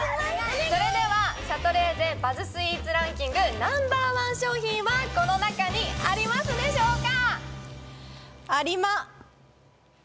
それではシャトレーゼバズスイーツランキングＮｏ．１商品はこの中にありますでしょうか？